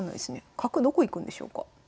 角どこ行くんでしょうか。